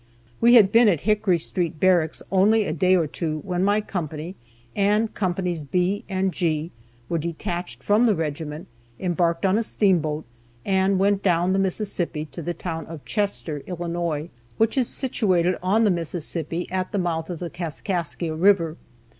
We had been at Hickory Street Barracks only a day or two, when my company, and companies B and G, were detached from the regiment, embarked on a steamboat, and went down the Mississippi to the town of Chester, Illinois, which is situated on the Mississippi, at the mouth of the Kaskaskia river.